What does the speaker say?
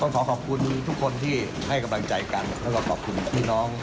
ขอขอบคุณทุกคนที่ให้กำลังใจกันแล้วก็ขอบคุณพี่น้อง